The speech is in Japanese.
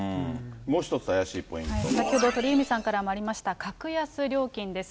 もう１つ怪しいポ先ほど鳥海さんからもありました、格安料金です。